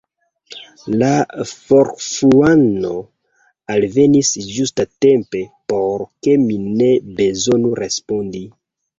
La Korfuano alvenis ĝustatempe, por ke mi ne bezonu respondi.